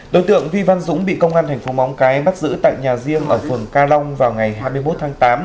đối tượng vi văn dũng bị công an thành phố móng cái bắt giữ tại nhà riêng ở phường ca long vào ngày hai mươi một tháng tám